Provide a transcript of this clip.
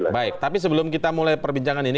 baik tapi sebelum kita mulai perbincangan ini